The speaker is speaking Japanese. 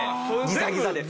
ギザギザで。